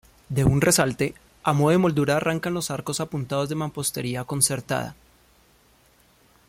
De un resalte, a modo de moldura arrancan los arcos apuntados de mampostería concertada.